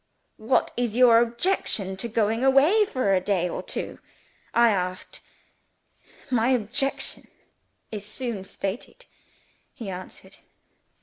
'What is your objection to going away for a day or two?' I asked. 'My objection is soon stated,' he answered.